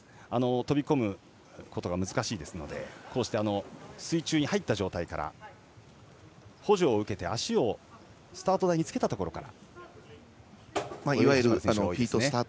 飛び込むことが難しいですのでこうして、水中に入った状態から補助を受けて、足をスタート台につけたところから。